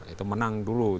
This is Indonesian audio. itu menang dulu